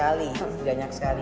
banyak sekali banyak sekali